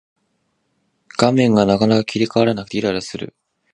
画面がなかなか切り替わらなくてイライラする